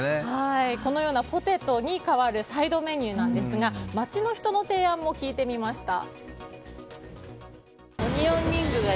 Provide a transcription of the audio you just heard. このようなポテトに代わるサイドメニュー、街の人の提案も聞いてみました。